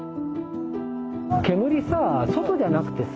煙さ外じゃなくてさ